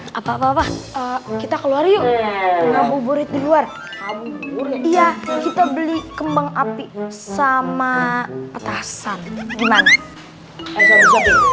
hai apa apa kita keluar yuk berubur itu luar kamu iya kita beli kembang api sama atasan gimana